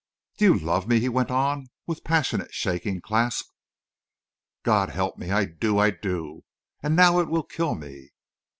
"Do you love me?" he went on, with passionate, shaking clasp. "God help me—I do—I do!... And now it will kill me!"